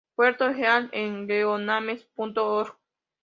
Puerto Heath en geonames.org